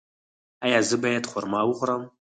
ایا زه باید خرما وخورم؟